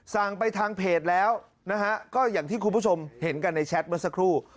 สั่งไปทางเพจแล้วนะฮะก็อย่างที่คุณผู้ชมเห็นกันในแชทเมื่อสักครู่